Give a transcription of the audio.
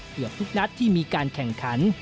เกือบทุกนัดที่มีการแข่งขัน